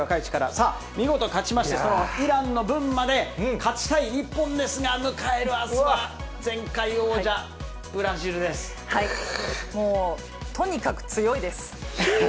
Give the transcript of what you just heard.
さあ、見事勝ちまして、そのイランの分まで勝ちたい日本ですが、迎えるあすは、前回王者、もう、とにかく強いです。